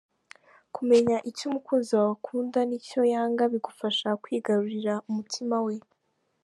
Kumenya icyo umukunzi wawe akunda n’icyo yanga bigufasha kwigarurira umutima we